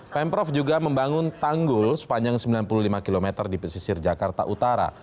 pemprov juga membangun tanggul sepanjang sembilan puluh lima km di pesisir jakarta utara